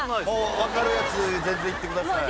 わかるやつ全然いってください。